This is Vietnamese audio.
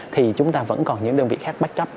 thì chúng ta vẫn còn những đơn vị khác backup